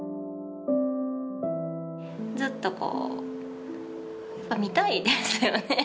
ずっとこうやっぱ診たいですよね。